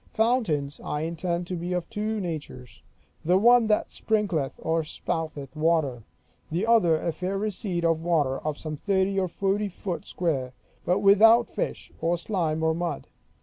Fountains I intend to be of two natures: the one that sprinkleth or spouteth water; the other a fair receipt of water, of some thirty or forty foot square, but without fish, or slime, or mud.